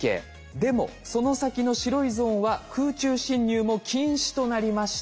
でもその先の白いゾーンは空中侵入も禁止となりました。